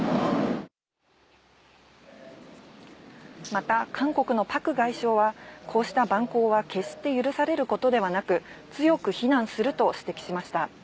また韓国のパク外相は、こうした蛮行は決して許されることではなく、強く非難すると指摘しました。